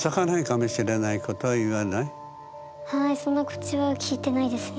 はいその口は聞いてないですね。